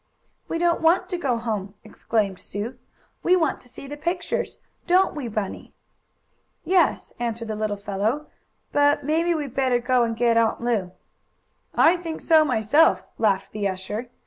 "We don't want to go home!" exclaimed Sue. "We want to see the pictures; don't we, Bunny?" "Yes," answered the little fellow, "but maybe we'd better go and get Aunt Lu." "I think so myself," laughed the usher.